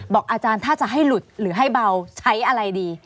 อาจารย์ถ้าจะให้หลุดหรือให้เบาใช้อะไรดี